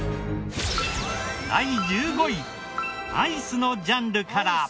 第１５位アイスのジャンルから。